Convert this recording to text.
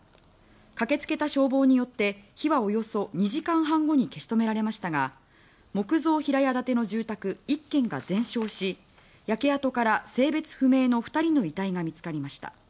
駆けつけた消防によって火はおよそ２時間半後に消し止められましたが木造平屋建ての住宅１軒が全焼し焼け跡から性別不明の２人の遺体が見つかりました。